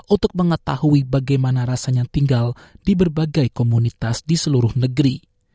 untuk mengetahui bagaimana rasanya tinggal di berbagai komunitas di seluruh negeri